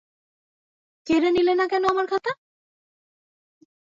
কেড়ে নিলে না কেন আমার খাতা?